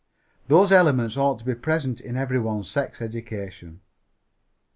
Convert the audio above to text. Those elements ought to be present in everybody's sex education.